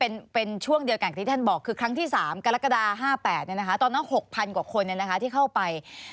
๖๐๐๐เนี่ยนะคะที่เข้าไป